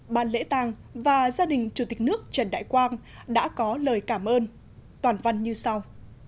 ban lễ tàng và gia đình chủ tịch nước trần đại quang đã có lời cảm ơn toàn văn như sau